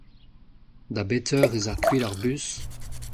Da bet eur ez a kuit ar bus ?